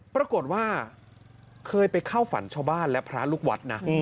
ปรากฏว่าเคยไปเข้าฝันชาวบ้านและพระลูกวัดนะ